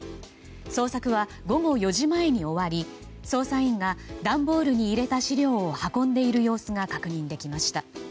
捜索は午後４時前に終わり捜査員が段ボールに入れた資料を運んでいる様子が確認できました。